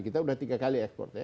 kita sudah tiga kali ekspor ya